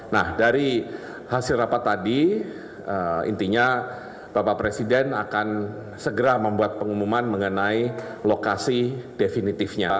nah dari hasil rapat tadi intinya bapak presiden akan segera membuat pengumuman mengenai lokasi definitifnya